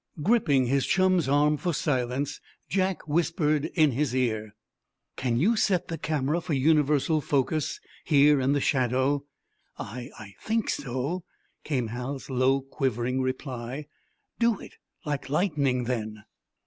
Gripping his chum's arm for silence, Jack whispered in his ear: "Can you set the camera for universal focus, here in the shadow?" "I I think so," came Hal's low, quivering reply. "Do it like lightning, then!"